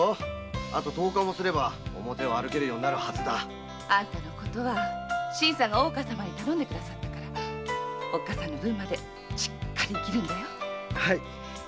あと十日もすれば歩けるようになるはずだ。あんたの事は新さんが頼んで下さったからお母上の分までしっかり生きるんだよ。